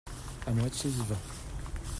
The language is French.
À moitié vivant.